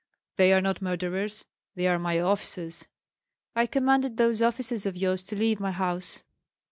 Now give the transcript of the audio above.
"They are not murderers, they are my officers." "I commanded those officers of yours to leave my house."